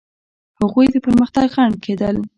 هغوی د پرمختګ خنډ کېدل.